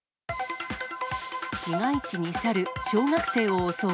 市街地に猿、小学生を襲う。